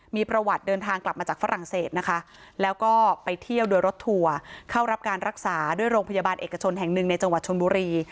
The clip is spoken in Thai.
มีประวัติเดินทางกลับมาจากฝรั่งเศสนะคะแล้วก็ไปเที่ยวโดยรถทัวร์เข้ารับการรักษาด้วยโรงพยาบาลเอกชนแห่งหนึ่งในจังหวัดชนบุรี